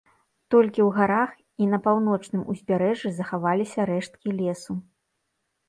Толькі ў гарах і на паўночным ўзбярэжжы захаваліся рэшткі лесу.